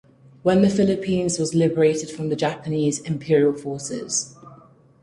When the Philippines was liberated from the Japanese Imperial forces.